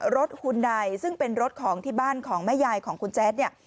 รถหุ่นใดซึ่งเป็นรถที่บ้านของแม่ยายของคุณแจ้ง